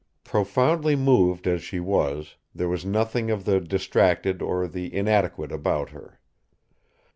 Profoundly moved as she was, there was nothing of the distracted or the inadequate about her.